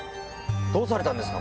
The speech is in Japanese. どうされたんですか？